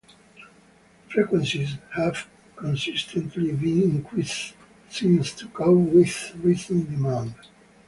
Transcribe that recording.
Frequencies have consistently been increased since to cope with rising demand.